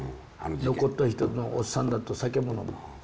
残った人のおっさんらと酒も飲む。